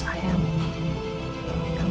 aku kuat denganmu